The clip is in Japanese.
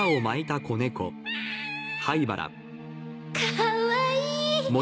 かわいい！